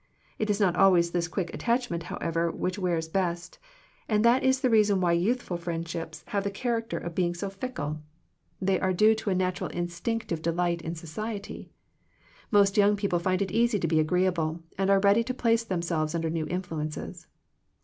It is not always this quick attachment, however, which wears best, and that is the reason why youthful friendships have the charactei Digitized by VjOOQIC THE MIRACLE OF FRIENDSHIP of being so fickle. They are due to a natural instinctive delight in society. Most young people find it easy to be agreeable, and are ready to place them* selves under new influences.